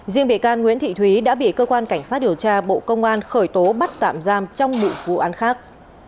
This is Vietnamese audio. riêng bị can nguyễn thị thúy đã bị cơ quan cảnh sát điều tra bộ công an khởi tố bắt tạm giam trong một vụ án khác